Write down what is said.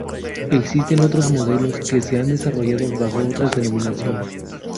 Existen otros modelos que se han desarrollado bajo otras denominaciones.